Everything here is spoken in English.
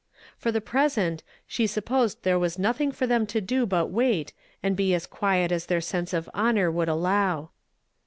For the present, she sui)posed there was nothing for them to do but wait, and be as (piiet as theii sense of honor would allow.